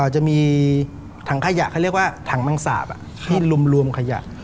จะมีถังขยะเขาเรียกว่าถังมังสาปที่รวมขยะ